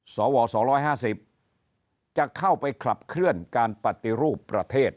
สว๒๕๐จะเข้าไปขับเคลื่อนการปฏิรูปประเทศ